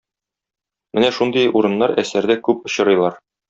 Менә шундый урыннар әсәрдә күп очрыйлар.